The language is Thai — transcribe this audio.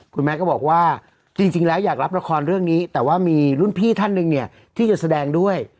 แม่ก็บอกว่าจริงแล้วอยากรับละครเรื่องนี้แต่ว่ามีรุ่นพี่ท่านหนึ่งเนี่ยที่จะแสดงด้วย